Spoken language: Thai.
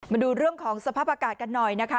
มาดูเรื่องของสภาพอากาศกันหน่อยนะคะ